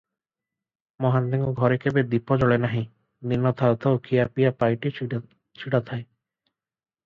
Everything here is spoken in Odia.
ମହାନ୍ତିଙ୍କ ଘରେ କେବେ ଦୀପ ଜଳେ ନାହିଁ, ଦିନ ଥାଉଁ ଥାଉଁ ଖିଆପିଆ ପାଇଟି ଛିଡ଼ଥାଏ ।